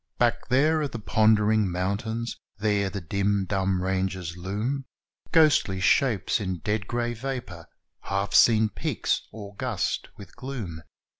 Back there are the pondering mountains; there the dim, dumb ranges loom Ghostly shapes in dead grey vapour half seen peaks august with gloom.